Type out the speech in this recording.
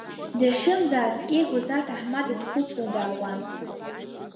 Дахьынӡааскьеигоз аҭаҳмада дхәыцуа даауан.